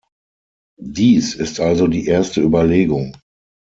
Dies ist also die erste Überlegung.